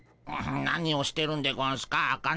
何をしてるんでゴンスか？